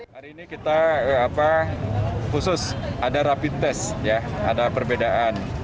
hari ini kita khusus ada rapid test ada perbedaan